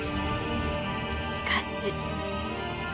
しかし。